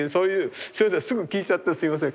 すぐ聞いちゃってすみません。